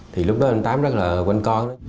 thì lúc đó anh nguyễn văn tám rất là quen con